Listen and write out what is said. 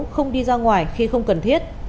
không đi ra ngoài khi không cần thiết